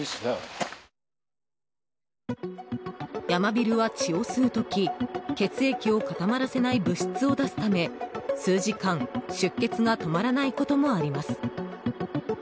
ヤマビルは、血を吸う時血液を固まらせない物質を出すため数時間、出血が止まらないこともあります。